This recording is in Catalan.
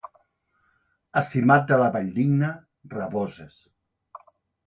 A Simat de la Valldigna, raboses.